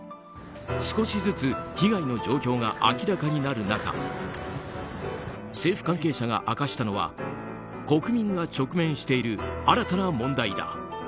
少しずつ、被害の状況が明らかになる中政府関係者が明かしたのは国民が直面している新たな問題だ。